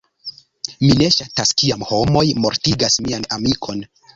Mi ne ŝatas kiam homoj mortigas mian amikon.